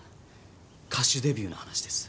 歌手デビューの話です。